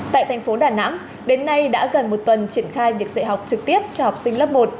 tại thành phố đà nẵng đến nay đã gần một tuần triển khai việc dạy học trực tiếp cho học sinh lớp một